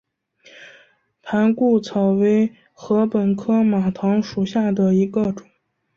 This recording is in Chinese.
盘固草为禾本科马唐属下的一个种。